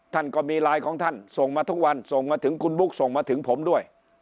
ท่านก็มีไลน์ของท่านส่งมาทุกวันส่งมาถึงคุณบุ๊คส่งมาถึงผมด้วย